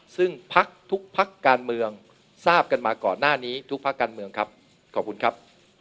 ซึ่งพักทุกพักการเมืองทราบกันมาก่อนหน้านี้ทุกพักการเมืองครับขอบคุณครับ